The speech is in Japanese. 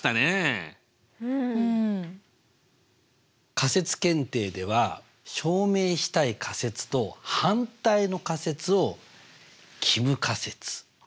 仮説検定では証明したい仮説と反対の仮説を帰無仮説